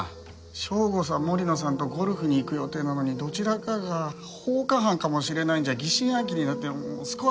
省吾さん森野さんとゴルフに行く予定なのにどちらかが放火犯かもしれないんじゃ疑心暗鬼になってスコアが伸びませんよ。